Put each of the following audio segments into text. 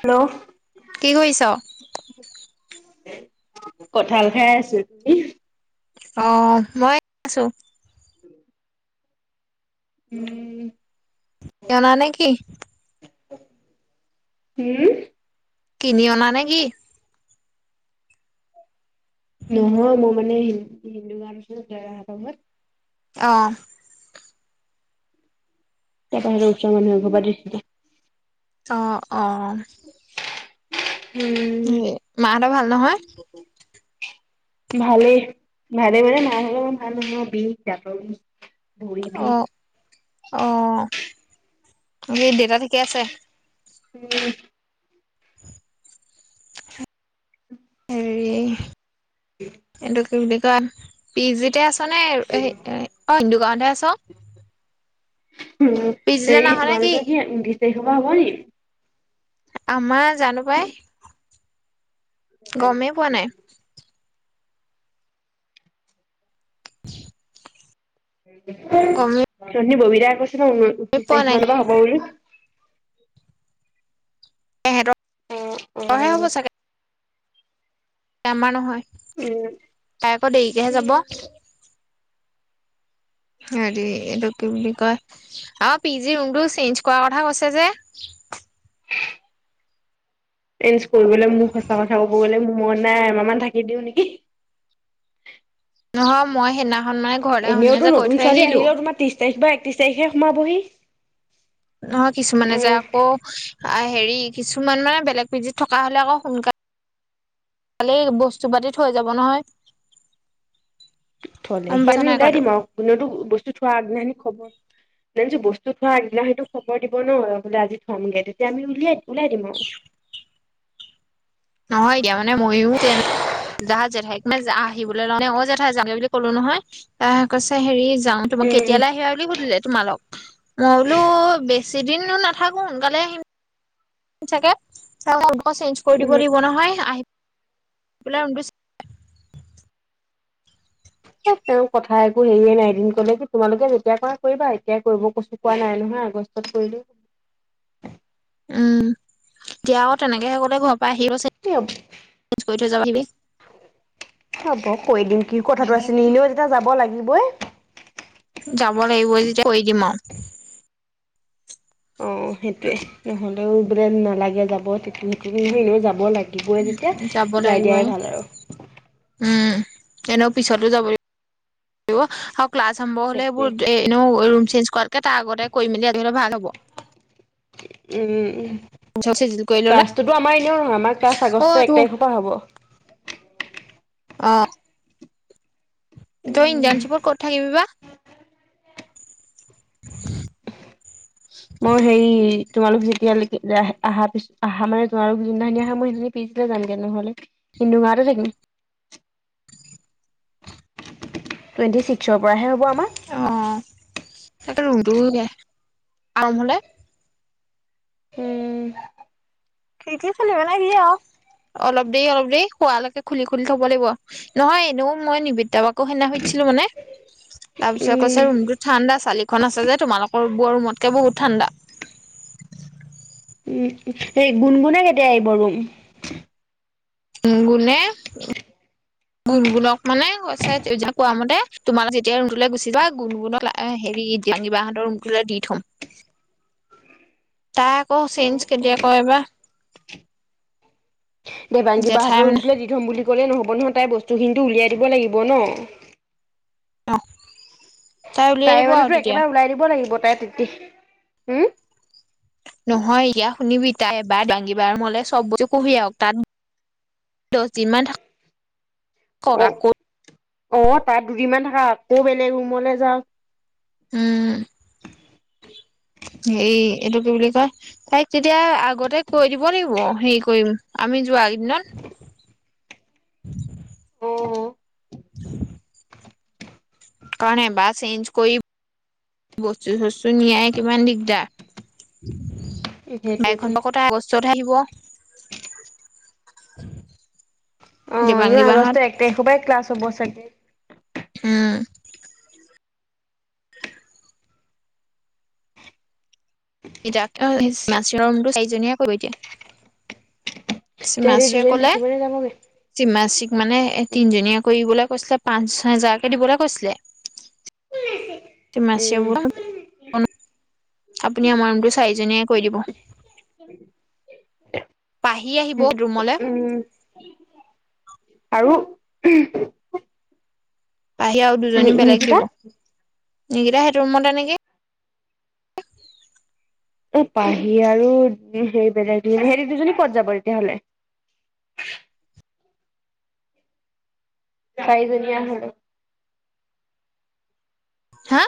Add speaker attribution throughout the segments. Speaker 1: Hello
Speaker 2: কি কৰিছ?
Speaker 1: কঁঠাল খাই আছো। তুমি
Speaker 2: অ'। মই আছো।
Speaker 1: উম। উম।
Speaker 2: কিনি অনা নেকি?
Speaker 1: হম
Speaker 2: কিনি অনা নেকি?
Speaker 1: নহয় মোৰ মানে হ হিন্দু ঘৰত
Speaker 2: অ
Speaker 1: তাৰ পৰা আৰু ওচৰ মানুহ এঘৰ পৰা দিছিলে।
Speaker 2: অ অ
Speaker 1: উম
Speaker 2: এ মাহঁতৰ ভাল নহয়
Speaker 1: ভালেই ভালেই মানে [unintelligible] [unintelligible] দাত বিষ ভৰি বিষ
Speaker 2: অ', অ', বাকী দেউতা ঠিকে আছে?
Speaker 1: [unintelligible]
Speaker 2: হেৰি এটো কি বুলি কয়, পি জিতে আছ আছেনে হেই অ', দোক দোকানত হে আছ?
Speaker 1: উম,
Speaker 2: পি জিলে
Speaker 1: হেই
Speaker 2: নাহ নে কি?
Speaker 1: তোমালোকৰ [unintelligible] [unintelligible] হ'ব নি?
Speaker 2: আমাৰ জানো পাই। গমেই পোৱা নাই,
Speaker 1: [inaudible]
Speaker 2: গমেই
Speaker 1: [inaudible] [unintelligible] [unintelligible] মানৰ
Speaker 2: পোৱা নাই।
Speaker 1: পৰা বা হ'ব বুলি [inaudible]
Speaker 2: এহেঁতৰহে
Speaker 1: অ'
Speaker 2: হ'ব চাগে
Speaker 1: অ'
Speaker 2: আমাৰ নহয়, তাই আকৌ দেৰিকেহে যাব। হেৰি এইটো কি বুলি কয় আৰু পিজি ৰুমটো চেঞ্জ কৰাৰ কথা কৈছে যে
Speaker 1: চেঞ্জ কৰিবলৈ মোৰ সঁচা কথা কব গলে মোৰ মন নাই এমাহ মান থাকি দিও নেকি
Speaker 2: নহয় মই সেইদিনা
Speaker 1: এনেওতো নতুন ছোৱালী আহিলেও তোমাৰ ত্ৰিশ তাৰিখ বা একত্ৰিশ তাৰিখে সোমাবহি [inaudible]
Speaker 2: নহয় কিছুমানে যে
Speaker 1: আহ
Speaker 2: আকৌ [unintelligible] হেৰি, কিছুমান মানে বেলেগ পিজিত থকা হলে আকৌ সোনকালোলেই বস্তু পাতি থৈ যাব নহয়।
Speaker 1: থলে
Speaker 2: গম
Speaker 1: সি
Speaker 2: পাইছা
Speaker 1: আমি
Speaker 2: নাই
Speaker 1: ওলাই
Speaker 2: কথাটো
Speaker 1: দিম। আৰু কোনতো বস্তু থোৱা আগনাহানি খবৰ- জানো বস্তু থোৱা আগদিনা সেইটো খবৰ দিব ন'। বোলে আজি থামগে তেতিয়া আমি উলিয়াই দিম। উলিয়াই দিন অ'।
Speaker 2: নহয় দিয়া মানে, মইও তেনে জ জেঠাইক মানে, আহিবলৈ লওঁ ন অ' জেঠাই যামগে বুলি কলো নহয়, তাই' কৈছে হেৰি যাওঁ তোমাক
Speaker 1: উম
Speaker 2: কেতিয়ালৈ আহিবা বুলি সুধিলে তোমালোক? মই বোলো বে- চিদিন নাথাকোঁ সোনকালে আহিম। াক চ- [inaudible] অকৌ চেঞ্জ কৰি দিব
Speaker 1: উম
Speaker 2: লাগিব নহয়, আহ- [unintelligible]
Speaker 1: তেওঁ কথা একো হেৰিয়ে নাই, এদিন কলে কি- তোমালোকে যেতিয়া কৰা কৰিবা। এতিয়াই কৰিব কৈছো কোৱা নাই নহয়। আগষ্টত কৰিলে হ-
Speaker 2: উম'' এতিয়া আকৌ তেনেকেহে কলে, ঘৰৰ পৰা আহিব থৈ যাবিবি
Speaker 1: হ'ব কৈ দিম কি কথাটো আছিলে এনেও যেতিয়া যাব লাগিবই
Speaker 2: যাব লাগিবই যেতিয়া- কৈ দিম।
Speaker 1: অ সেইটোৱে নহ'ল বোলে নালাগে যাব, এনে যাব লাগে। থাকিবই
Speaker 2: যাব
Speaker 1: যেতিয়া যাই
Speaker 2: লাগিবই
Speaker 1: দিয়াই ভাল আৰু।
Speaker 2: এনে পিছতো যাব লাগিব। ক্লাছ আৰম্ভ হ'লে
Speaker 1: সেইটোৱে
Speaker 2: এইবোৰ এনেও চেঞ্জ কৰাতকৈ তাৰ আগতে কৰি মেলি আজৰি হ'লে ভাল হ'ব।
Speaker 1: উম' উ'
Speaker 2: চিজিল কৰি ললে
Speaker 1: ক্লাছটোতো আমাৰ এনেও নহয়, আমাৰ ক্লাছ
Speaker 2: অ
Speaker 1: আগষ্টৰ
Speaker 2: এইটো
Speaker 1: এক তাৰিখৰ পৰা হ'ব।
Speaker 2: অ'' জন জান্ঞ্চিপুৰ ক- থাকিবি বা। [unintelligible]
Speaker 1: মই হেৰি, তোমালোক যেতিয়া লেকে আহা আহা মানে, তোমালোক যোনদিননা আহা মই সেই পিচ যামগে নহলে পিছৰ পৰাহে হ'ব আমাৰ।
Speaker 2: তাতে ৰূমতো [unintelligible]
Speaker 1: উম'
Speaker 2: [unintelligible] কি আৰু অলপ দেৰি-অলপ দেৰি হোৱালৈকে খুলি-খুলি থব লাগিব নহয়, এনেও মই নিবিদ্য প- আকৌ সেইদিনি সুধছিলো মানে, তাৰ পিছত
Speaker 1: উম
Speaker 2: কৈছে ৰুমটো ঠা- [unintelligible] আছে যে, তোমালোকৰ বোৰ ৰুমতকে বহুত ঠাণ্ডা।
Speaker 1: উম' এই গুণ-গুণ কেতিয়া আহিব ৰুম?
Speaker 2: উ' গুনে- গুণ-গুণক মানে কৈছে কোৱা মতে, তোমালোক যেতিয়া ৰুমটোলৈ গুচি যা। গুণগুণক হেৰি, কিবাহঁতৰ ৰুমটোলৈ দি থম। তাই আকৌ চেইঞ্জ কেতিয়া কয়বাৰ-
Speaker 1: দেবাংগী কবাহতৰ ৰূমটোলে দি থ'ম- গলে নহ'ব নহয় তাই বস্তু খিনিতটো উলিয়াই দিব লাগিব ন
Speaker 2: অ
Speaker 1: তাই মানে তো একেবাৰে ওলাই দিব লাগিব তাই তেটি উম
Speaker 2: নহয় ইিয়া শুনিবি তাই এবাৰ দাঙিব বাৰ ৰূমলে চব বস্তু কঢ়িয়াক তাত দছ দিনমান থা
Speaker 1: অ
Speaker 2: ককা ক
Speaker 1: অ', তাত দুদিনমান থাকা আকৌ বেলেগ ৰুমলে যাওঁ।
Speaker 2: উম, হেই এইটো কি বুলি কয়, তাইক তেতিয়া আগতেই কৈ দিব লাগিব হেই কৰিম, আমি যোৱাকেদিনত।
Speaker 1: উম।
Speaker 2: [inaudible] কাৰণ এবাৰ চেইঞ্জ কৰি বস্তু-চষ্টো নিয়াই কিমান দিগদাৰ! [unintelligible]
Speaker 1: সেইটোৱেতো
Speaker 2: তাই আহিব।
Speaker 1: অ',
Speaker 2: দেবাংগী
Speaker 1: এনেও
Speaker 2: বাহঁত
Speaker 1: আগষ্ট এক তাৰিখপাই ক্লাছ হ'ব চাগ [unintelligible]
Speaker 2: হম। [inaudible] [unintelligible] চাৰিজনীয়ে [unintelligible]
Speaker 1: তেহেতি
Speaker 2: চিমাশ্ৰিয়ে
Speaker 1: দুজনী
Speaker 2: ক'লে
Speaker 1: থাকিবনে যাবগে
Speaker 2: চিমাশ্ৰিক মানে তিনজনীয়া কৰিবলৈ কৈছিলে পাঁচ-ছয় হেজাৰকে দিবলৈ কৈছিলে। তিমাচিৰ,
Speaker 1: উম
Speaker 2: আপুনি আমাৰ ৰুমটো চাৰিজনীয়ে কৈ দিব। পাহি আহিব ৰুমলে।
Speaker 1: উম আৰু
Speaker 2: পাহি আৰু
Speaker 1: নি
Speaker 2: দুজনী বেলেগ
Speaker 1: নিকিতা
Speaker 2: দিব। নকিতা সেইটো ৰুমতে এ নেকি?
Speaker 1: অ' পাহি আৰু সেই বেলেগ হে দুজনী কত যাব তেতিয়াহলে? চাৰিজনীয়া হলো।
Speaker 2: হা?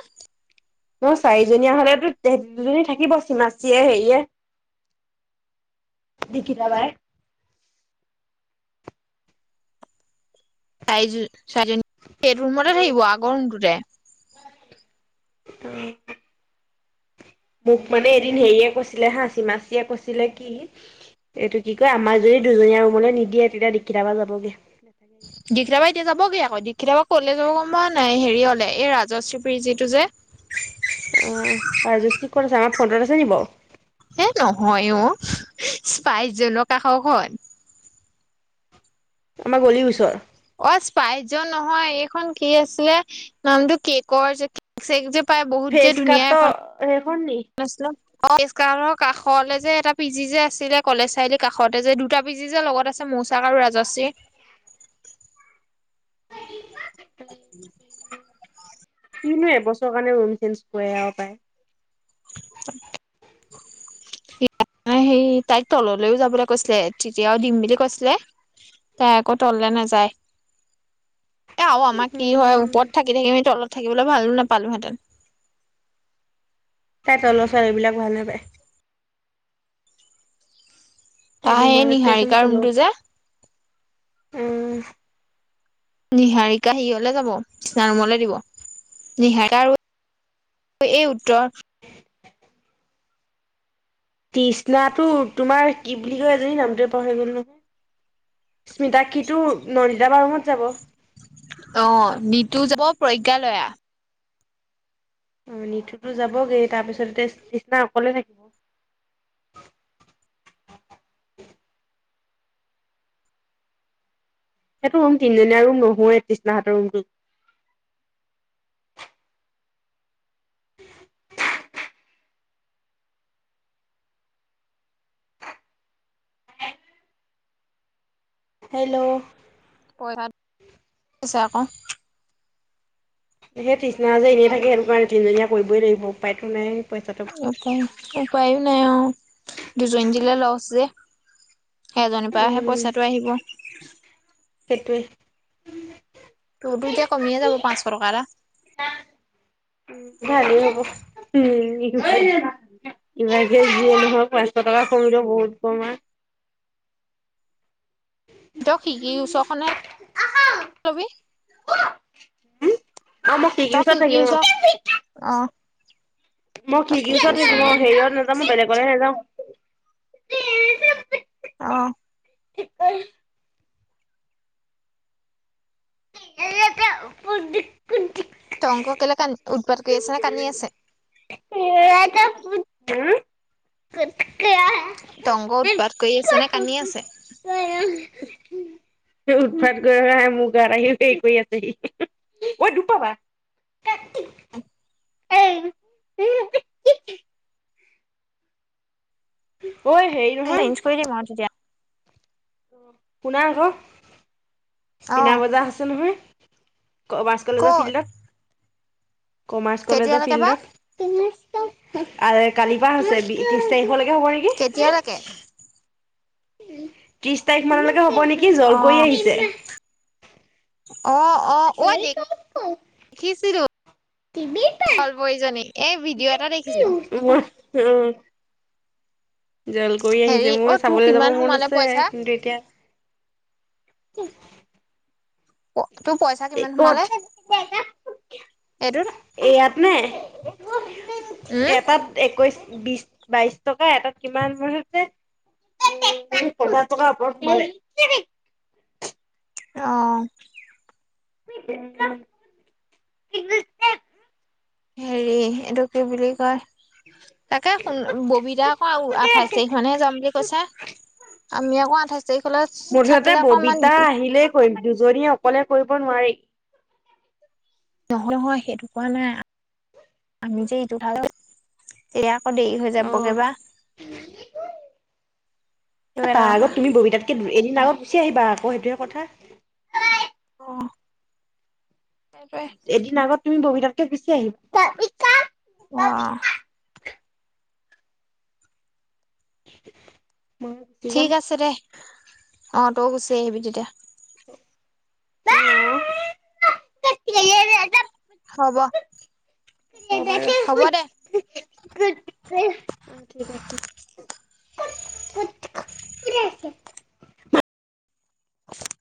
Speaker 1: ন চাৰিজনীয়া হলেতো দুজনী থাকিব চিমাচিয়ে হেৰিয়ে, দেঘিতাবাই।
Speaker 2: চাৰিজন, চাৰিজনী, এইটো ৰুমতে থাকিব আগৰ ৰুমটোতে।
Speaker 1: উম। মোক মানে এদিন হেৰিয়ে কৈছিলে হাঁ চিমাচিয়ে কৈছিলে, কি, এইটো কি কয় আমাৰ যদি দুজনীয়া ৰুমলৈ নিদিয়ে তেতিয়া দীক্ষিত বা যাবগে।
Speaker 2: দীক্ষিত বা এতিয়া যাবগে অ' দীক্ষিত বা ক'লে যাব গম পাওঁ নাই হেৰি অলে এই ৰাজশ্ৰী পিজি টো যে।
Speaker 1: অ' আৰু ৰাজশ্ৰী কত আছে আমাৰ ফণ্টত আছে নি বাৰু?
Speaker 2: হে নহয় অ' স্পাইচজনক কাষৰ খন।
Speaker 1: আমাৰ গলিৰ ওচৰ।
Speaker 2: অ' স্পাইট যোৱা নহয় এইখন কি আছিলে নামটো, কেকৰ যে কেক চেক যে
Speaker 1: ফেচ কাট হে
Speaker 2: নছল [inaudible] অ' কৃষ্ণা হলৰ কাষলে যে এটা পি জি যে আছিলে, কলেজ চাৰিআলিৰ কাষতে যে দুটা পি জি যে লগত আছে, মৌচাক আৰু ৰাজশ্ৰী।
Speaker 1: কিনো এবছৰৰ কাৰণে ৰুম চেঞ্চ কৰে আৰু তাই।
Speaker 2: [inaudible] সেই তাইক তললৈও যাবলৈ কৈছিলে, তেতিয়াও দিম বুলি কৈছিলে তাই আকৌ তললে নাযায়। এয়া আৰু আমাৰ কি হয়
Speaker 1: উম,
Speaker 2: ওপৰত থাকি থাকি তলত থাকিবলৈ ভালো নাপালোহেঁতেন। [inaudible]
Speaker 1: তাই তলৰ ছোৱালীবিলাক ভাল নাপায়।
Speaker 2: তাই
Speaker 1: মোৰ
Speaker 2: এই
Speaker 1: আগত কৈ আছে মই
Speaker 2: নিহাৰিকাৰ
Speaker 1: তলৰ
Speaker 2: ৰুমটো যে।
Speaker 1: উম।
Speaker 2: নিহাৰিকা হেৰিয়ালৈ যাব ইষ্টাৰ ৰুমলৈ দিব। নিহাৰিকা আৰু এই উত্তৰ।
Speaker 1: তৃষ্ণাটো তোমাৰ কি বুলি কয় এজনী নামটোৱে পাহৰি গলো নহয়। স্মিতাক্ষি টো নন্দিতা বাৰ ৰুমত যাব।
Speaker 2: অ নিতু যাব প্ৰজ্ঞালয়া।
Speaker 1: অ নিটুতো যাবগে তাৰপিছত তৃ তৃষ্ণা অকলে থাকিব। [inaudible] সেইটো ৰুম তিনজনীয়া ৰুম নহয়েই তৃষ্ণা হাতৰ ৰুমটো। [inaudible] হেল্ল'।
Speaker 2: পঁই ভাত। আছে আকৌ।
Speaker 1: এতিয়া তৃষ্ণা যদি এনেই থাকে সেইটো কাৰণে তিনিজনীয়া কৰিবই লাগিব উপায়তো নাই। পইচাটো
Speaker 2: উপায় নাই উপায়ো। নাই অ। দুজনী দিলে লছ যে। সেই এজনীৰ পৰাহে
Speaker 1: উম
Speaker 2: পইচাটো আহিব।
Speaker 1: সেইটোৱে।
Speaker 2: তোৰতো এতিয়া কমিয়ে যাব পাঁচশ টকা এটা?
Speaker 1: ভালেই হ'ব উম। ইমানকে যিয়ে নহওঁক পাঁচশ টকা কমিলে বহুত কমা।
Speaker 2: তই খিৰিকিৰ ওচৰখনে লবি?
Speaker 1: হুম। অ মই
Speaker 2: তই
Speaker 1: খিৰিকিৰ ওচৰত
Speaker 2: খিৰিকীৰ
Speaker 1: থাকিম অ।
Speaker 2: ওচৰ অ
Speaker 1: মই খিৰিকীৰ ওচৰত থাকিম অ হেৰিয়ত নেযাওঁ বেলেগলে নেযাওঁ। [unintelligible]
Speaker 2: অহ।
Speaker 1: [unintelligible] [unintelligible]
Speaker 2: টংক কেলে কান উৎপাদ কৰি আছে নে কান্দি আছে?
Speaker 1: হম
Speaker 2: টংগ উৎপাত কৰি আছে নে কান্দি আছে?
Speaker 1: উৎপাত কৰা নাই। মোৰ গাত আহি হেৰি কৰি আছেহি। অই, দুখ পাবা। [unintelligible] [unintelligible] ঐ, হেৰি নহয়।
Speaker 2: চেঞ্জ কৰি দিম আৰু তেতিয়া
Speaker 1: শুনা আকৌ।
Speaker 2: অ
Speaker 1: মিনা বজাৰ আছে নহয়? কমাৰ্চ কলেজৰ
Speaker 2: ক'ত
Speaker 1: ফিল্ডত। কমাৰ্চ কলেজৰ
Speaker 2: কেতিয়ালৈকে বা
Speaker 1: ফিল্ডত। পিলিচ। আৰে কালিৰপৰা হৈছে। বি ত্ৰিশ তাৰিখলৈক হ'ব
Speaker 2: কেতিয়ালৈকে
Speaker 1: নেকি? তিশ তাৰিখ মানলৈকে হ'ব নেকি? জল
Speaker 2: অ
Speaker 1: কোৱঁৰী আহিছে।
Speaker 2: অ অ ঐ দেখিছিলো চলপৰীজনী এই ভিডিঅ' এটা দেখিছিলো
Speaker 1: জল কোৱঁৰী
Speaker 2: হেৰি
Speaker 1: আহিছে,
Speaker 2: অ
Speaker 1: মোৰ
Speaker 2: তোৰ
Speaker 1: চাবলৈ যাব
Speaker 2: কিমান
Speaker 1: মন
Speaker 2: সোমালে
Speaker 1: আছে,
Speaker 2: পইচা
Speaker 1: কিন্তু এতিয়া কি?
Speaker 2: [unintelligible] কিমান সোমালে
Speaker 1: ক'ত?
Speaker 2: এইটোত
Speaker 1: এইয়াত নে? [unintelligible]
Speaker 2: উম
Speaker 1: এটাত একৈছ বিশ, বাইশ টকা এটাত কিমান মসছে, পঞ্চাশ টকাৰ ওপৰত সোমালে।
Speaker 2: অ'।
Speaker 1: [unintelligible]
Speaker 2: হেৰি, এইটো কি বুলি কয়। তাকে শুন, ববিতা আকৌ আও আঠাইশ তাৰিখ মানেহে যাম বুলি কৈছে। আমি আকৌ আঠাইছ তাৰিখলৈ
Speaker 1: মুঠতে
Speaker 2: থাকিলে আকৌ অকমান
Speaker 1: ববিতা আহিলেই কৰিম। দুজনীয়ে অকলে কৰিব নোৱাৰি।
Speaker 2: নহয় নহয় সেইটো কোৱা নাই। আমি যে ইটো [unintelligible] এইয়া
Speaker 1: অ',
Speaker 2: সেইটো এটা
Speaker 1: তাৰ
Speaker 2: কথা
Speaker 1: আগত তুমি ববিতাতকে এদিন আগত গুচি আহিবা আক', সেইটোহে কথা।
Speaker 2: অ'। সেইটোৱে
Speaker 1: এদিন আগত তুমি ববিতাত গুচি আহিব। তা পিছত।
Speaker 2: অ'।
Speaker 1: [inaudible] মই গুচি যাম।
Speaker 2: ঠিক আছে দে অ' তই গুচি আহিবি তেতিয়া।
Speaker 1: [inaudible]
Speaker 2: হব। হ'ব দে।
Speaker 1: [unintelligible]
Speaker 2: [inaudible]